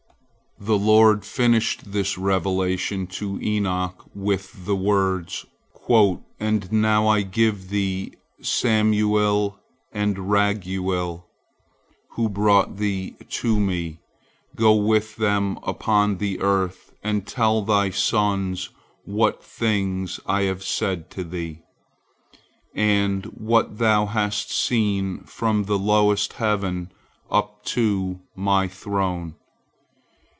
The Lord finished this revelation to Enoch with the words: "And now I give thee Samuil and Raguil, who brought thee to Me. Go with them upon the earth, and tell thy sons what things I have said to thee, and what thou hast seen from the lowest heaven up to My throne.